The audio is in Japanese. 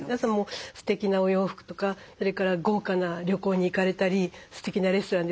すてきなお洋服とかそれから豪華な旅行に行かれたりすてきなレストランでお食事されたり。